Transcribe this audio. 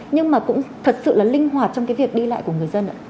nhưng mà cũng thật sự là linh hoạt trong cái việc đi lại của người dân ạ